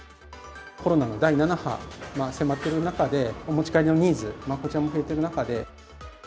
コロナの第７波、迫ってる中で、お持ち帰りのニーズ、こちらも増えている中で。